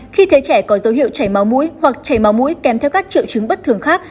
khi thấy trẻ có dấu hiệu chảy máu mũi hoặc chảy máu mũi kèm theo các triệu chứng bất thường khác